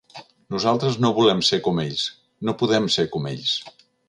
Nosaltres no volem ser com ells, no podem ser com ells.